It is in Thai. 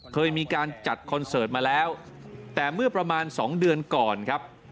เคยมีการจัดคอนเสิร์ตมาแล้วแต่เมื่อประมาณ๒เดือนก่อนครับ